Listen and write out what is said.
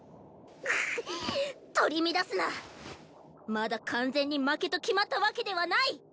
まだ完全に負けと決まったわけではない！